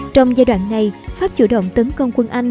trong giai đoạn này pháp chủ động tấn công quân anh